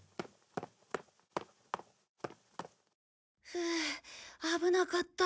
ふう危なかった。